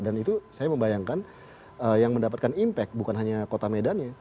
dan itu saya membayangkan yang mendapatkan impact bukan hanya kota medannya